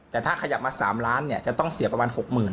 แต่ถ้าขยับมา๓ล้านจะต้องเสียประมาณ๖๐๐๐